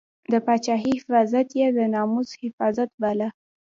د پاچاهۍ حفاظت یې د ناموس حفاظت باله.